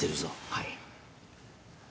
はい。